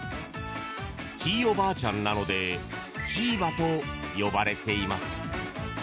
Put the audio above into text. ひいおばあちゃんなのでひーばと呼ばれています。